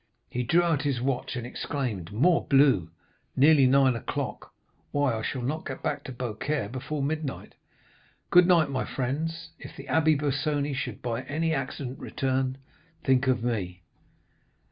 He drew out his watch, and exclaimed, 'Morbleu! nearly nine o'clock—why, I shall not get back to Beaucaire before midnight! Good night, my friends. If the Abbé Busoni should by any accident return, think of me.